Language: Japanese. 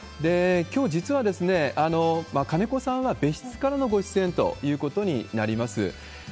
きょう、実は金子さんは別室からのご出演ということになります。